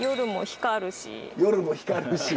夜も光るし。